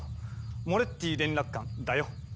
モレッティ連絡官だよ。